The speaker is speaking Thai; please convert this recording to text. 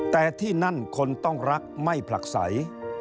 แต่ที่นั่นคนต้องรักไม่ผลักใส